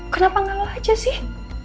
kenapa gak lo aja sih